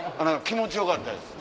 気持ちよかったです